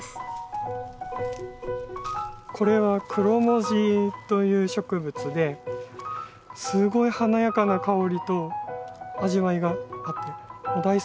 これはクロモジという植物ですごい華やかな香りと味わいがあって大好きなんですよね。